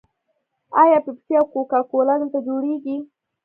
آیا پیپسي او کوکا کولا دلته جوړیږي؟